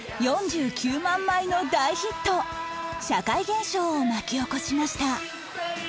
社会現象を巻き起こしました